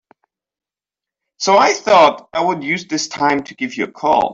So I thought I would use this time to give you a call.